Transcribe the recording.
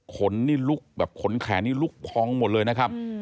ขนนี่ลุกแบบขนแขนนี่ลุกพองหมดเลยนะครับ